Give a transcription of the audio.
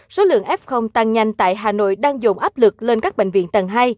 số lượng f tăng nhanh tại hà nội đang dồn áp lực lên các bệnh viện tầng hai